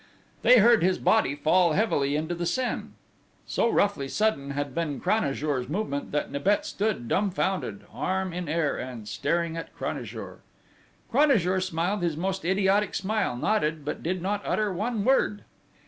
They heard his body fall heavily into the Seine.... So roughly sudden had been Cranajour's movement that Nibet stood dumbfounded, arm in air, and staring at Cranajour: Cranajour smiled his most idiotic smile, nodded, but did not utter one word!...